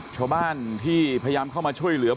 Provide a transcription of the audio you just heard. ชาวบ้านที่พยายามเข้ามาช่วยเหลือ